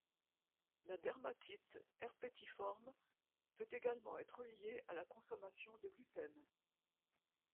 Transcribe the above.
La dermatite herpétiforme peut également être liée à la consommation de gluten.